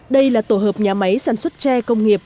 đây là tổ hợp nhà máy sản xuất tre công nghiệp